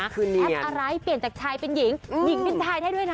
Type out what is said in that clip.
แอปอะไรเปลี่ยนจากชายเป็นหญิงหญิงเป็นชายได้ด้วยนะ